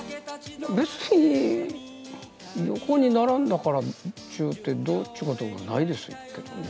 別に横に並んだからっちゅうて、どうっちゅうことはないですけどね。